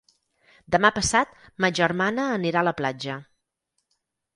Demà passat ma germana anirà a la platja.